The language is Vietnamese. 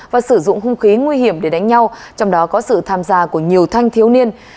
và sử dụng hung khí nguy hiểm để đánh nhau trong đó có sự tham gia của nhiều thanh thiếu niên